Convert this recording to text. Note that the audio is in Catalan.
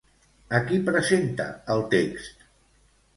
A qui presenta el text?